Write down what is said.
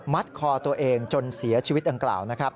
คอตัวเองจนเสียชีวิตดังกล่าวนะครับ